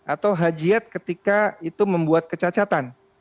atau hajiat ketika itu membuat kecacatan